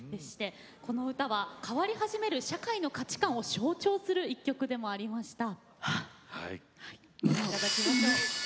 この歌は変わり始める社会の価値観を象徴する１曲でもありました。